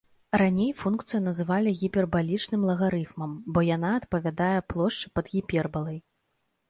Раней функцыю называлі гіпербалічным лагарыфмам, бо яна адпавядае плошчы пад гіпербалай.